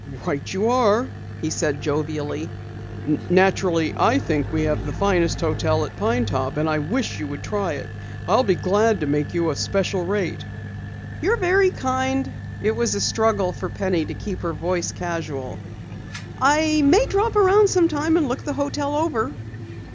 "Right you are," he said jovially. "Naturally I think we have the finest hotel at Pine Top and I wish you would try it. I'll be glad to make you a special rate." "You're very kind." It was a struggle for Penny to keep her voice casual. "I may drop around sometime and look the hotel over."